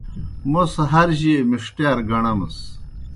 موْس ہر جیئے مِݜتِیار گݨَمَس۔